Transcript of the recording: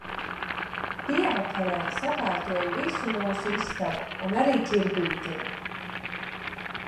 Pievakarē sakārtoju visu mūsu istabu un arī Ķirbītim.